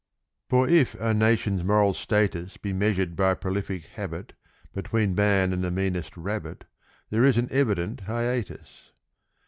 = For if a nation's moral status Be measured by prolific habit, Between man and the meanest rabbit There is an evident hiatus.